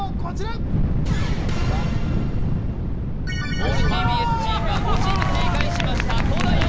オールＴＢＳチームは５チーム正解しました。